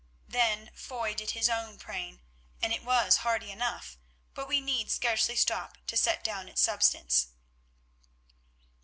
Then Foy did his own praying, and it was hearty enough, but we need scarcely stop to set down its substance.